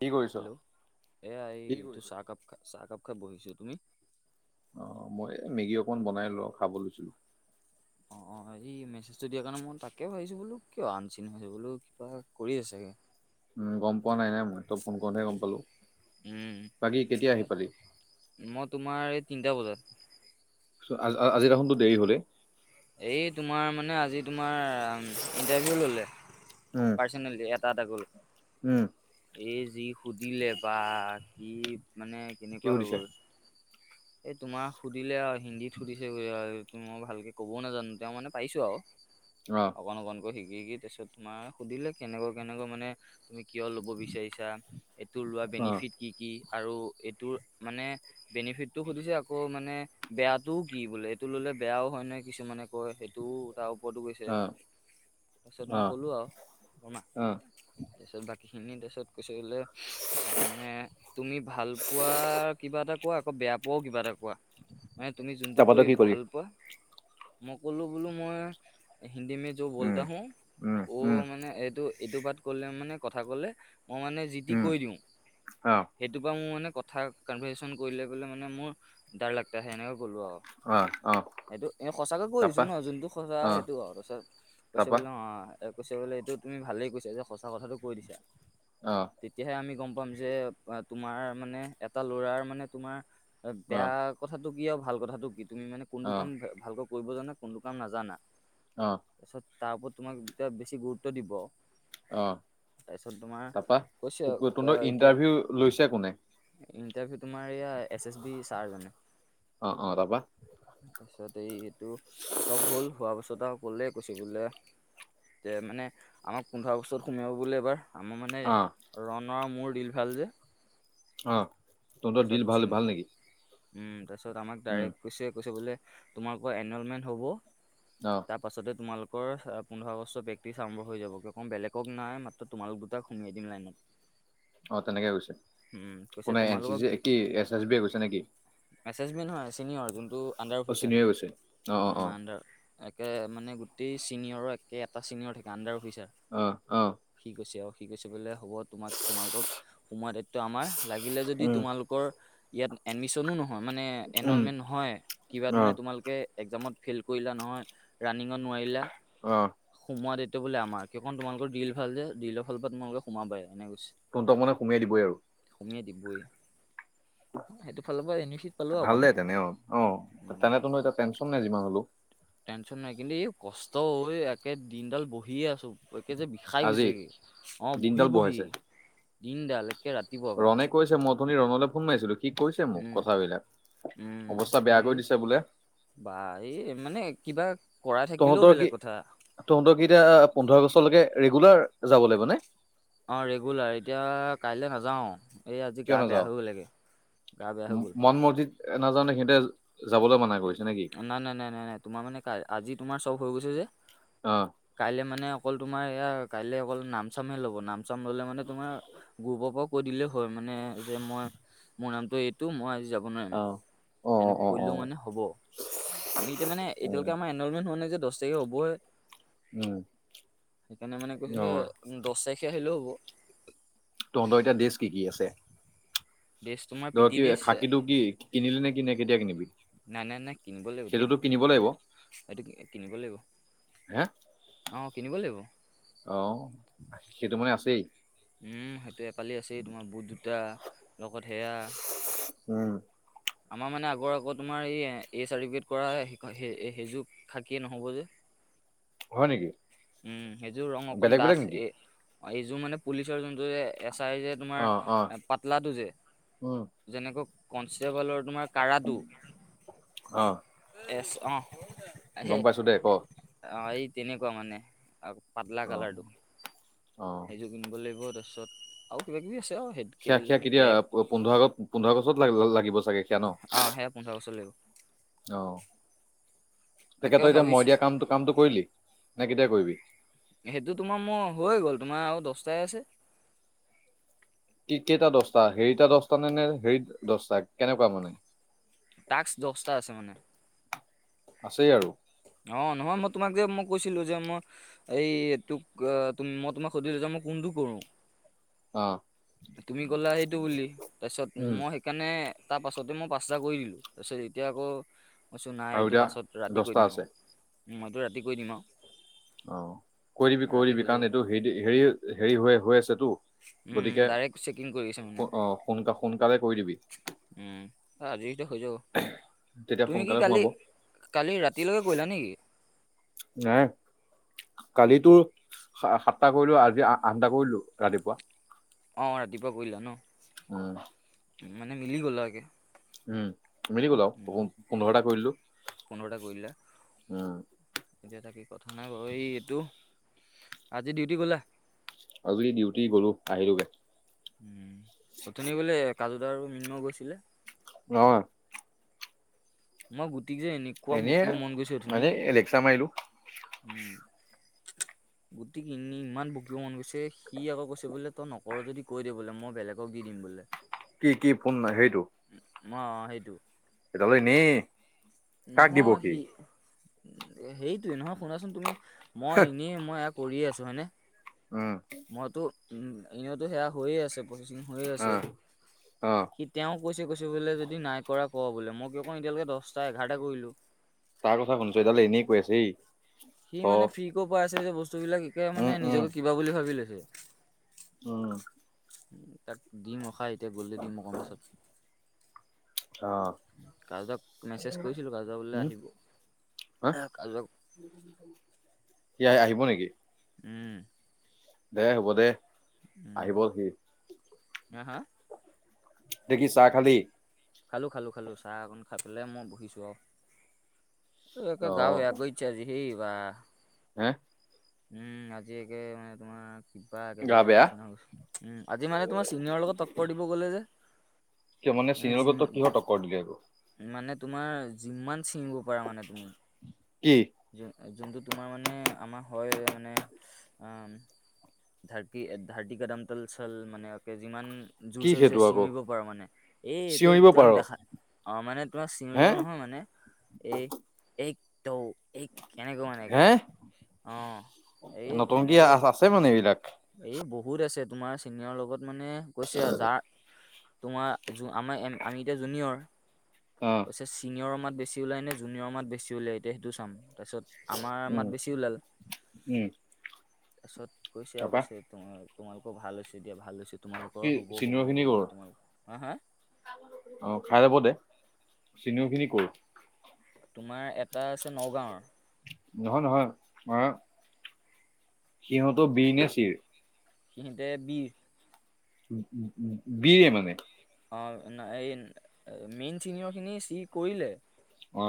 কি কৰিছ? হেল্ল' এয়া এই এইটো চাহকাপ খ চাহকাপ খাই বহিছো তুমি অ', ই মেগী অকনমান বনাই লওঁ খাব লৈছিলো অ', এই মেছেজটো দিয়াৰ কাৰণে মই তাকে ভাবিছো বোলো কিয় আনচিন হৈছে বোলো কিবা কৰি আছে চাগে উম, গম পোৱা নাই নাই মই তই ফোন কৰোতেহে গম পালো উম বাকী কেতিয়া আহি পালি মই, তোমাৰ এই তিনিটা বজাত আ আ আজি দেখোন তোৰ দেৰি হলে এই, তোমাৰ মানে আজি তোমাৰ ইন্টাৰভিউ ললে উম, ফাৰ্ষ্ট এটা এটা গ'ল উম, এই, যি সুধিলে বা কি মানে কি কেনেকুৱা হৈ সুধিছে? গল এ তোমাৰ সুধিলে আৰু হিন্দীত সুধিছে আৰু মই ভালকে ক'বও নাজানো তেওঁ মানে পাইছো আৰু অ অকণ অকণকৈ শিকি শিকি তাৰপিছত তোমাৰ সুধিলে কেনেকৈ কেনেকৈ মানে তুমি কিয় ল'ব বিচাৰিছা এইটো লোৱা অ', বেনিফিট কি কি আৰু এইটোত মানে বেনিফিটটো সুধিছে আকৌ মানে বেয়াটোও কি বোলে এইটো ললে বেয়াও হয় নে কিছুমানে কয় সেইটোও তাৰ ওপৰতো কৈছে অ', তাৰপিছত মই অ', ক'লোঁ আৰু শুনা অ', ছত বাকীখিনি তাপিছত কৈছে বোলে মানে তুমি ভালপোৱা কিবা এটা কোৱা আকৌ বেয়া পোৱাও কিবা এটা কোৱা মানে তুমি যোনটো তাৰপা তই কৰি কি কলি? ভাল পোৱা মই ক'লোঁ বোলো মই হিন্দী মে য' উম, বোলতাহো উম, হোঁ উম, মানে এইটো এইটো বাত ক'লে মানে কথা ক'লে মই মানে যি টি উম, কৈ দিওঁ অ', সেইটো পা মোৰ মানে কথা কনফাৰেশ্যন কৰিলে মানে মোৰ ডৰ লাগটা হে হেনেকৈ ক'লোঁ আৰু অ অ সেইটো এ সঁচাকে কৈ দিছো তাৰপা? ন যোনটো সঁচা সেইটো অ তাপিছত কৈছে তাৰপা? বোলে অ অ এই কৈছে বোলে এইটো তুমি ভালেই কৈছা যে সঁচা কথাটো কৈ দিছা অ তেতিয়াহে আমি গম পাম যে তোমাৰ মানে এটা ল'ৰাৰ মানে তোমাৰ বেয়া অ', কথাটো কি আৰু ভাল কথাটো কি তুমি মানে কোনটো অ', কাম ভালকৈ কৰিব জানা কোনটো কাম নাজানা অ তাৰপিছত তাৰ ওপৰত তোমাক এতিয়া বেছি গুৰুত্ব দিব অ', তাৰপিছত তোমাৰ তাৰপা? কৈছে অ তহঁতৰ এতিয়া ইণ্টাৰভিউ লৈছে কোনে? ইণ্টাৰভিউ তোমাৰ এইয়া এছ এছ বি চাৰ জনে অ অ তাপা তাৰপিছত এইটো সব হ'ল হোৱা পাছত আৰু ক'লে কৈছে বোলে তে মানে আমাক পোন্ধৰ বছৰত সোমিয়াব বোলে এবাৰ আমাৰ মানে অ', ৰণৰ আৰু মোৰ দিল ভাল যে অ তহঁতৰ তাৰপাছত দিল চিং ভাল ভাল নেকি উম তাপিছত আমাক উম, ডাইৰেক্ট কৈছে কৈছে বোলে তোমালোকৰ এনৰ'লমেণ্ট হ'ব অহ তাৰপাছতে তোমালোকৰ এ পোন্ধৰ আগষ্টত প্ৰেক্টিচ আৰম্ভ হৈ যাব কিয় কণ বেলেগক নাই মাত তোমালোক দুটাক সুমিয়াই দিম লাইনত অ তেনেকে গৈছে উম, কৈছে কোনে এন চি তোমালোকক চি কি এছ এছ বি এ কৈছে নেকি এছ এছ বি নহয় চিনিয়ৰ যোনটো আন্ডাৰ অ চিনিয়ে গৈছে অ অফিচাৰ অ উম আন্ডাৰ একে মানে গোটেই চিনিয়ৰৰ একে এটা ছিনিয়ৰ থাকে আন্ডাৰ অফিচাৰ অ অ সি কৈছে আৰু সি কৈছে বোলে হ'ব তোমাক তোমালোকক সোমোৱাৰ দায়িত্ব আমাৰ লাগে উম তেওঁলোকৰ ইয়াত এডমিচনো নহয় মানে উম এনৰলমেন নহয় কিবা অ মানে তোমালোকে এক্সামত ফেইল কৰিলা নহয়, ৰানিঙত নোৱাৰিলা। অ'। সোমোৱা দায়িত্ব বোলে আমাৰ কিয় কাৰণ তোমালোকৰ দিল ভাল যে দিলৰ ফালৰ পৰা তোমোলোকে সোমাবাই এনে কৈছে। তহঁতক মানে সোমিয়াই দিবই আৰু। সোমিয়ে দিবই। সেইটো ফালৰ পৰা এনিফিট ভাল দে তেনে অ', অ', তেনেতনো এ টেনচন নাই যিমান হলো টেনশ্যন নাই কিন্তু এই কষ্ট এ একে দিনডাল বহিয়ে আছো। ভৰিকে যে বিষাই আজি গৈছে। অ', বহি দিনডাল বহি বহাইছে দিনডাল একে ৰাতি ৰনে কৈছে মই অথনি ৰণলৈ ফোন মাৰিছিলো সি কৈছে মোক উম কথাবিলাক। উম অৱস্থা বেয়া এই কৰি দিছে বোলে? বা, এই মানে কিবা কৰাই থাকিলেও তহঁতৰ কি বেলেগ কথা। তহঁতৰ কি এতিয়া পোন্ধৰ আগষ্টলৈকে ৰেগুলাৰ যাব লাগিব নে? অ', ৰেগুলাৰ এতিয়া কাইলৈ নাযাওঁ। এই আজি কিয় গা বেয়া হৈ গ'লগে, গা বেয়া হৈ গ'ল। সাংমতিত নাযাওঁ নেকি দে যাবলৈ মানা কৰিছে নেকি? নাই নাই নাই নাই নাই। তোমাৰ মানে কাই-আজি তোমাৰ চব হৈ গৈছে যে। অ'। কাইলৈ মানে অকল তোমাৰ এয়া কাইলে অকল নামচামে ল'ব নাম চাম ললে মানে তোমাৰ গুৰুপৰ পৰা কৈ দিলেই হয় মানে যে মই মোৰ নামটো এইটো মই আজি যাব অ নোৱাৰিম। অ এনেকে অ অ অ কৰিলেও মানে হ'ব আমি এতি মানে এতিয়ালৈকে উম আমাৰ এনৰলমেণ্ট হোৱা নাই যে দহ তাৰিখে হবই। উম সেইকাৰণে মানে অ কৈছে দহ তাৰিখে আহিলেও হ'ব। তহঁতৰ এতিয়া ডেছ কি কি আছে? ড্ৰেছ তোমাৰ পি ধৰ টি কি ড্ৰেছ খাকীটো কি কিনিলি নেকি নে কেতিয়া কিনিবি? নাই নাই নাই কিনিব লাগিব দেত সেইটোতো কিনিব লাগিব এতিয়া এইটো কিনিব লাগিব। হে? অ', কিনিব লাগিব। অ', সেইটো মানে আছেই? উম, সেইটো এ কালি আছেই তোমাৰ বুট দুটা লগত সেয়া। উম। আমাৰ মানে আগৰ আকৌ তোমাৰ এই এ-চাৰ্টিফিকেট কৰা সেইযোৰ খাকি নহ'ব যে। হয় নেকি উম, সেইযোৰ ৰং অকন বেলেগ ডাট বেলেগ নেকি এ অ' এইযোৰ মানে পুলিচৰ যোনটো যে এছ আই যে তোমাৰ অ অ পাতলাটো যে উম যেনেকৈ কনষ্টেবলৰ তোমাৰ কাৰাটো। অ এছ অ' গম সেই পাইছো দে ক অ' এই তেনেকুৱা মানে। আৰু পাতলা অ কালাৰটো অ সেইযোৰ কিনিব লাগিব তাৰপিছত আৰু কিবা কিবি আছে আৰু সেই সেয়া সেয়া কেতিয়া পোন্ধৰ আগ পোন্ধৰ আগষ্টত লাগিব চাগে সেয়া ন? অ' সেয়া পোন্ধৰ আগষ্টত লাগিব। অ' তাকে তেখেতই এতিয়া মই ভাবিছো দিয়া কামটো-কামটো কৰিলি নে কেতিয়া কৰিবি? সেইটো তোমাৰ মোৰ হৈ গ'ল তোমাৰ আৰু দহটা হে আছে। কি কেইটা দচটা হেৰিটা দচটা নে নে হেৰিত দহটা কেনেকুৱা মানে? টাক্স দহটা আছে মানে। আছেই আৰু? অ' নহয় মই তোমাক যে মই কৈছিলো যে মই এই এইটোক তু-মই তোমাক সুধিছ মই কোনটো কৰো? অ তুমি ক'লা সেইটো বুলি তাৰপিছত উম মই সেইকাৰণে তাৰ পাছতে মই পাঁচটা কৰি দিলো তাৰ পিছত এতিয়া আকৌ কইছো আৰু নাই টো এতিয়া পাছত ৰাতি কৈ দহটা দিম আছে আৰু মইতো ৰাতি কৰি দিম আৰু। অ কৈ দিবি কৈ ৰাতি দিবি হৈ যাব কাৰণ এইটো হে হেৰি হেৰি হৈ হৈ আছেতো উম গতিকে দাৰে চেক অ সোনাল সোনকালে কৈ দিবি। উম আজি এইটো হৈ যাব। তেতিয়া তুমি কি সোনকালে কালি সোমাব। কালি ৰাতিলৈকে গলা নেকি? নাই। কালিতো সাতটা কৰিলো আজি আঠটা কৰিলো ৰাতিপুৱা। অঁ ৰাতিপুৱা কৰিলোৱা ন? [unintelligible] মানে মিলি গল আগে উম মিলি গল আৰু পোন্ধৰটা কৰিলো পোন্ধৰটা কৰি দিলা। উম। এতিয়া তাক কি কথা নাই বাৰ এই এইটো আজি ডিউটি গলা? আজি ডিউটি গ'লো আহিলো গে। উম, উঠনি বোলে কাজুদা আৰু মৃন্ময়ো গৈছিলে? নহয়। মই গুটিক যে এনেকুৱা এনেই বকিব মন গৈছে উঠনি মানে লেকচাৰ মাৰিলো উম। [inaudible] গোটেই কিনি ইমান বকিব মন গৈছে। সি আকৌ কৈছে বোলে তই নকৰ যদি কৈ দে বোলে মই বেলেগক দি দিম বোলে। কি কি ফোন সেইটো। অ', সেইটো। এইদালৰ এনে কাক দিব সি? সেইটোৱে নহয় শুনাচোন তুমি মই এনেই মই এয়া কৰিয়ে আছোঁ হয়নে? উম। মইতো উম এনেতো সেয়া হৈয়ে আছে প্ৰচেচিং হৈয়ে অ আছে। অ তেওঁ কৈছে কৈছে বোলে যদি নাই কৰা ক বোলে। মই দেখোন এতিয়ালৈকে দহটা এঘাৰটা কৰিলো। তাৰ কথা শুনিছ এডাল এক- এনেই কৈ আছে সি এ। মানে ফ্ৰীকো পাই আছে যে বস্তুবিলাক একে মানে নিজকে কিবা বুলি ভাবি লৈছে। উম। উম তাক দিম ৰখা এতিয়া গ'লে দিম অকণমান পাছত। আহ, কাজক মেছেজ কৰিছিলো কাজক বোলে উম, আহিব। হা কাজক সি আহ আহিব নেকি? উম। দে হ'ব দে উম আহিব সি। হা হা এতিয়া কি চাহ খালী? খালো খালো খালো চাহ অকণ খাই পেলাই মই বহিছো আৰুে। গা অ', বেয়া কৰি [inaudible] হা? উম, আজি একে মানে তোমাৰ কিবা একে গা জ্বৰৰ বেয়া নিচিনা হৈছে। উম, আজি মানে তোমাৰ চিনিয়ৰ লগত তক্কৰ দিব গ'লে যে। কিয় মানে চিনিয়ৰ জিম লগত তই কিহৰ তক্কৰ দিলি আকৌ। মানে তোমাৰ যিমান ছিঙিব পাৰা মানে তুমি। কি? যোনটো তোমাৰ মানে আমাৰ হয় মানে আ ধাৰটি ধাৰটি কাদাম তল চল মানেকে যিমান কি জোৰচে সেইটো জোৰছে আকৌ চিঙৰি পাৰো মানে এই এইটো চিঞৰিব পাৰ তুমি দেখাত অ', মানে তোমাৰ হে চিঙৰিব নহয় মানে এক দৌ এক কেনেকৈ মানেকে। হে অ', এই নতুনকি আ- যেনেকৈ আছে মানে এইবিলাক? এই বহুত আছে, তোমাৰ চিনিয়ৰৰ লগত মানে কৈছে আৰু যাৰ তোমাৰ আমা আমি এতিয়া জুনিয়ৰ। অ'। কৈছে চিনিয়ৰৰ মাত বেছি ওলাই নে জুনিয়ৰৰ মাত বেছি ওলাই এতিয়া সেইটো চাম। তাৰপিছত আমাৰ মাত উম, বেছি ওলাল। উম, তাৰপিছত এতিয়া তাৰপা অৱশ্যে এইটো তোমা-তোমালোকৰ ভাল হৈছে দিয়া ভাল হৈছে, তোমালোকৰ কি হ'ব হ'ব চিনিয়ৰ খিনি কৰ বুলি তোমালোকৰ, হা হা? অ', খাই যাব দে, চিনিঅ'ৰখিনি ক'ৰ? তোমাৰ এটা আছে নগাঁৱৰ। নহয় নহয়, মানে সিহঁতো বি নে ছিৰ? সিহঁতে বিৰ। বিয়ে মানে? অ', ন-এই মেইন চিনিয়ৰখিনি চি কৰিলে। অ,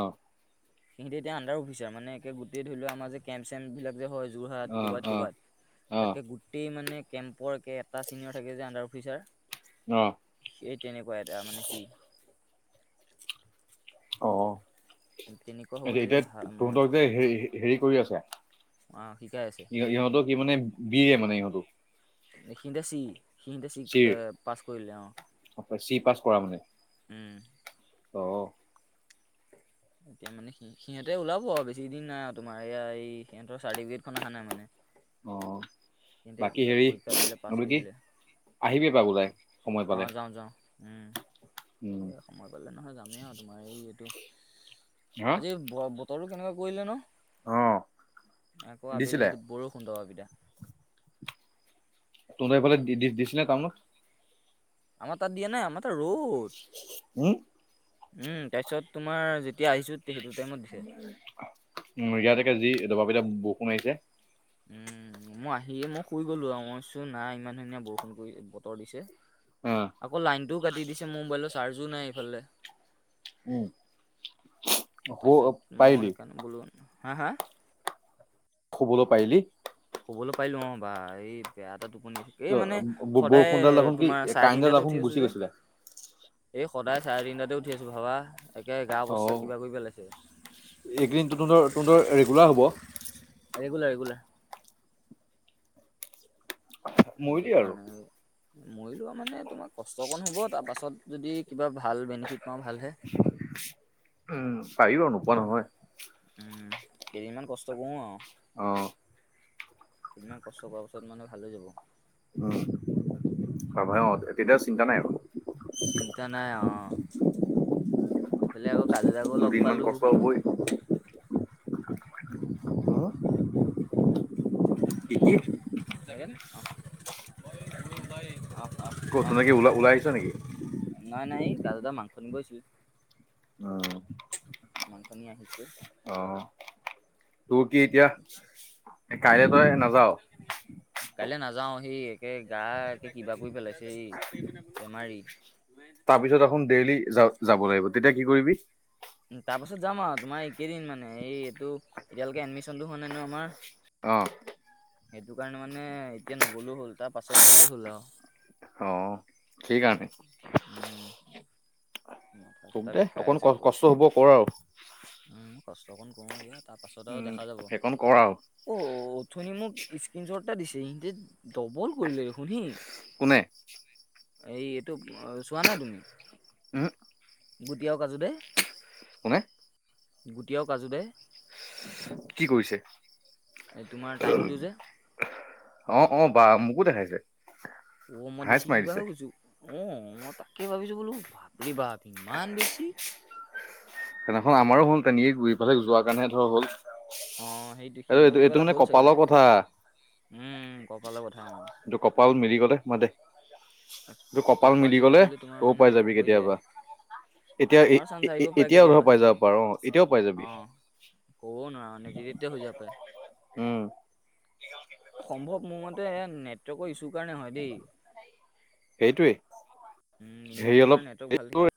সিহঁতে এতিয়া আণ্ডাৰ অফিচাৰ, মানে একে গোটেই ধৰি লোৱা, আমাৰ যে কেম্প-চেম্পবিলাক যে হয়। যোৰহাট অ', ক'ৰবাত অ', ক'ৰবাত, অ', একে গোট গোটেই মানে কেম্পৰ একে এটা ছিনিয়ৰ থাকে যে আণ্ডাৰ অফিচাৰ। অ, সেই তেনেকুৱা এটা মানে সি। অ, তেনেকুৱা হ'বলৈ যে এতিয়া ভাল তহঁতক যে হে-হে-হেৰি কৰি আছে। শিকাই আছে ই-ইহঁতৰ কি মানে, বি, এ মানে ইহঁতো? সিহঁতে চি, সিহঁতে চি চিৰ এ পাছ কৰিলে, অ, চি, পাছ কৰা মানে? উম, অ, এতিয়া মানে সি-সিহঁতে ওলাব আৰু বেছি দিন নাই আৰু তোমাৰ, এয়া এই সিহঁতৰ চাৰ্টিফিকেটখন অহা নাই মানে। অ, সিহঁতে বাকী হেৰি, পৰীক্ষা দিলে পাছ এইটো কি, কৰিলে আহিবি এপাক ওলাই সময় অ পালে। যাওঁ যাওঁ উম, এই উম সময় পালে নহয় যামেই আৰু তোমাৰ এই এইটো হা আজি ব-বতৰো কেনেকুৱা কৰিলে ন। অ আকৌ দিছিলে আবেলি বৰষুণ দপালপিটা। তহঁতৰ সেইফালে দি, দি-দিছিলে নে টাউনত? আমাৰ তাত দিয়া নাই, আমাৰ তাত ৰ'দ। উম উম, তাৰপিছত তোমাৰ, যেতিয়া আহিছো। সেইটো টাইমত দিছে উম, ইয়াত একে যি দবাপিতা বৰষুণ আহিছে। উম, মই আহিয়ে মই শুই গ'লো আৰু, মই ভাৱিছো নাই ইমান ধুনীয়া বৰষুণ কৰি বতৰ দিছে। অ, আকৌ লাইনটোও কাটি দিছে, মোৰ মোবাইলৰ চাৰ্জো নাই ইফালে। উম, শু'ব পাৰিলি? বুলো, হা হা? শু'বলৈ পাৰিলি? শুবলৈ পাৰিলো অ', বা এই বেয়া এটা টোপনি আহিছি। এই মানে, সদায় বৰষুণডাল দেখোন কি তোমাৰ চাৰে কাৰেণ্টডাল তিনিটাতে দেখোন উঠি আছো গুচি যে। গৈছিলে এই সদায় চাৰে তিনিটাতে উঠি আছো ভাবা। একে গা অ অৱস্থা কিবা কৰি পেলাইছে। এইকেইদিন তহঁতৰ তহঁতৰ ৰেগুলাৰ হ'ব ৰেগুলাৰ, ৰেগুলাৰ। সেইটো মৰিলি আৰু কাৰণে এই। মৰিলো আৰু মানে তোমাৰ কষ্ট অকণ হ'ব, তাৰ পাছত যদি কিবা ভাল বেনিফিট পাওঁ ভালহে। উম, পাৰি বাৰু নোপোৱা নহয়। উম, কেইদিনমান কষ্ট কৰো আৰু। অ, কেদিনমান কষ্ট কৰা পাছত মানে ভাল হৈ যাব। উম, অ, তেতিয়া চিন্তা নাই আৰু। চিন্তা নাই অ, এইফালে আকৌ কাজু দাকো লগ দুদিনমান পালোঁ। কষ্ট হ'বই কি উম, কি অহ ক, তেনেকে কি ওলাই আহিছা নেকি? নাই নাই এই দাদু দা মাংস নিব আহিছিল। উম, মাংস নি আহিছে। অ, তোৰ কি এতিয়া কাইলে তই নাযাওঁ। কাইলৈ নাযাও হি একে গা একে কিবা কৰি পেলাইছে এই বেমাৰী। তাৰ পিছত দেখোন ডেইলি যা যাব লাগিব, তেতিয়া কি কৰিবি? তাৰ পাছত যাম আৰু তোমাৰ এই কেইদিন মানে এই এইটো এতিয়ালৈকে এডমিশনটো হোৱা নাই ন আমাৰ অঁ। সেইটো কাৰণে মানে এতিয়া নগলেও হ'ল তাৰ পাছত গ'লে হ'ল আৰু। অ সেইকাৰনে। উম। মাথা হোক চাথা দে বিষাই অকন ক আছে পুৰা কষ্ট হব কৰ আৰু। উম কষ্ট অকণ কৰো ইয়াত। উম সেইকন কৰ আও। অ অথনি মোক স্কিন শ্বট এটা দিছে সিহতে ডবল কৰিলে দেখোন হেই। কোনে? এই এইটো চোৱা নাই তুমি? উহু। গোটি আৰু কাজু দাই। কোনে? গুটি আৰু কাজু দাই। কি কৰিছে? এই তোমাৰ টাইমটো যে। অ অ বা মোকো দেখাইছে। অ মই হাইচ দেখি মাৰি কিবা দিছে হৈ গৈছো। অ মই তাকে ভাবিছো বোলো বাপৰে বাপ ইমান বেছি। হেদিনাখন আমাৰো হল তেনে গৈ পেলাই যোৱাৰ কাৰণে ধৰ হ'ল। অ' সেইটো এই সিহঁতৰ এইটো কিবা এইটো এটা মানে হ'ল চাগে কপালৰ কথা উম কপালৰ কথা অ। এইটো কপাল মিলি গ'লে মই দে তোৰ কপাল মিলি গলে তোমাৰ তও মানে পাই যাবি হৈ যায় কেতিয়াবা। এতিয়া আমাৰো চান্স আহিব পাৰে এতিয়াও ধৰ কেতিয়াবা পাই যাব পাৰ অ এতিয়াও পাই যাবি। অ' কবও নোৱাৰ যেতিয়াই তেতিয়াই হৈ যাব পাৰে। উম। সম্ভৱ মোৰ মতে নেটৱৰ্কৰ ইছ্যু কাৰণে হয় দেই। সেইটোৱেই। উম এনেই তোমাৰ নেটৱৰ্ক ভাল থাকিল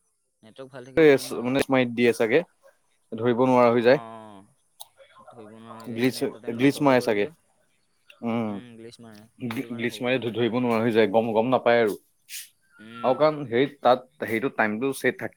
নেটৱৰ্ক ভাল থাকিল মানে মাৰিত দিয়ে চাগে ধৰিব নোৱাৰা হৈ যায়। অ', ধৰিব নোৱাৰা হৈ যায় গ্লিচ মানে এটা টাইমতে গ্লিচ চবেই মাৰে কৰে চাগে যে। উম ইংলিছ মাৰে সেইটো কাৰণে গ্লিচ হ'ব মাৰি পাৰে। ধৰিব নোৱাৰা হৈ যায় গম গম নাপায় আৰু উম। আৰু কাৰণ হেৰিত তাত সেইটো টাইমটো ছেট থাকে।